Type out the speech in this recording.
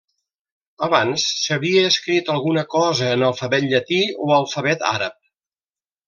Abans, s'havia escrit alguna cosa en alfabet llatí o alfabet àrab.